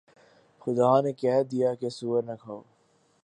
خدا نے کہہ دیا کہ سؤر نہ کھانا